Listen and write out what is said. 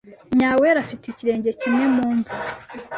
Nyawera afite ikirenge kimwe mu mva.